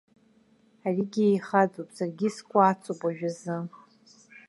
Аригьы еихаӡоуп, саргьы скәацуп уажәазы!